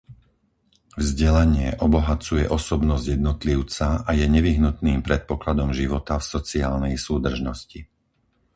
Vzdelanie obohacuje osobnosť jednotlivca a je nevyhnutným predpokladom života v sociálnej súdržnosti.